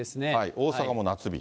大阪も夏日。